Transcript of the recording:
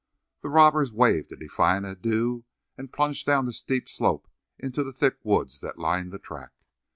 The robbers waved a defiant adieu and plunged down the steep slope into the thick woods that lined the track.